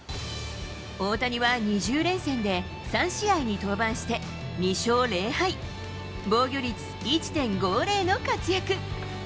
大谷は２０連戦で、３試合に登板して、２勝０敗、防御率１．５０の活躍。